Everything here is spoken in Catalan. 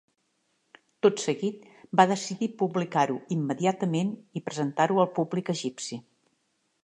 Tot seguit, va decidir publicar-ho immediatament i presentar-ho al públic egipci.